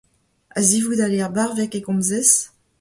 A-zivout al liaer barvek e komzez ?